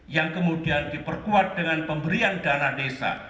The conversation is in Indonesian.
yang kemudian diperkuat dengan pemberian dana desa